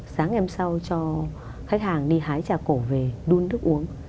sáng em sau cho khách hàng đi hái trà cổ về đun nước uống